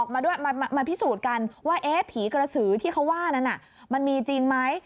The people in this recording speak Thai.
มาด้วยมาพิสูจน์กันว่าผีกระสือที่เขาว่านั้นมันมีจริงไหม